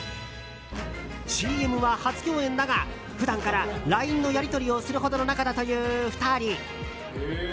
ＣＭは初共演だが、普段からＬＩＮＥのやり取りをするほどの仲だという２人。